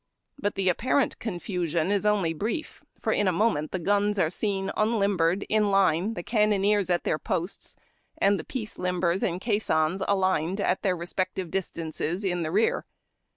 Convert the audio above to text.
But the apparent confusion is only brief, for in a moment the guns are seen unlimbei'ed in line, the cannoneers at their posts, and the piece limbers and cais sons aligned at their respective distances in the rear.